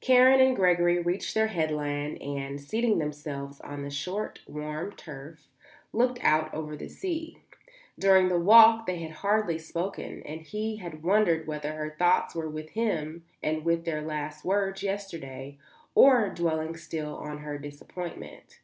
Karen and Gregory reached their headland and, seating themselves on the short, warm turf, looked out over the sea. During the walk they had hardly spoken, and he had wondered whether her thoughts were with him and with their last words yesterday, or dwelling still on her disappointment.